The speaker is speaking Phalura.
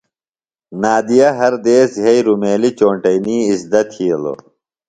نادیہ ہر دیس یھئی رُمیلیۡ چونٹئینی اِزدہ تھیلوۡ۔